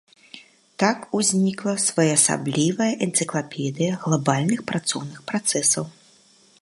Так узнікла своеасаблівая энцыклапедыя глабальных працоўных працэсаў.